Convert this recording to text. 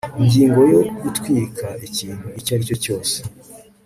ingingo yo gutwika ikintu icyo ari cyo cyose